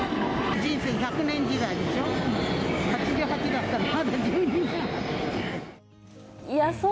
人生１００年時代でしょう。